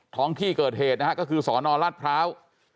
ท้องที่เกิดเหตุนะฮะก็คือสอนอรัฐพร้าว